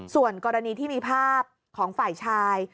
ส่วนกรณีที่มีภาพของฝ่ายชาย